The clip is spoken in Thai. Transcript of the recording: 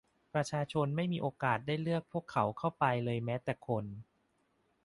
ประชาชนไม่มีโอกาสได้เลือกพวกเขาเข้าไปเลยแม้แต่คน